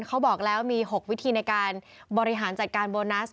เขาบอกแล้วมี๖วิธีในการบริหารจัดการโบนัส